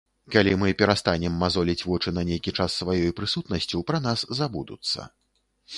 Калі мы перастанем мазоліць вочы на нейкі час сваёй прысутнасцю, пра нас забудуцца.